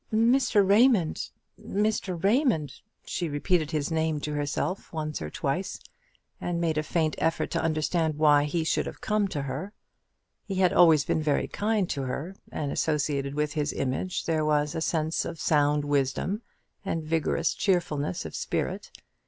"Mr. Raymond! Mr. Raymond!" She repeated his name to herself once or twice, and made a faint effort to understand why he should have come to her. He had always been very kind to her, and associated with his image there was a sense of sound wisdom and vigorous cheerfulness of spirit.